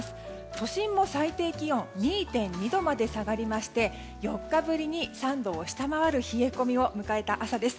都心も最低気温２．２度まで下がりまして４日ぶりに３度を下回る冷え込みを迎えた朝です。